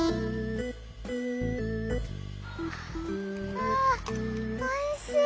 ああおいしい！